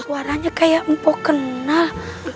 warnanya kayak empuk kenal